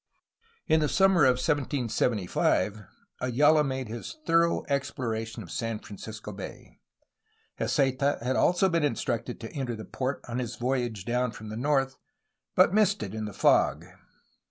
In the summer of 1775 Ayala made his thor ough exploration of San Francisco Bay. Heceta had also been instructed to enter the port on his voyage down from the north, but missed it in the fog.